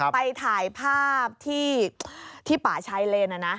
ไปถ่ายภาพที่ป่าชายเลน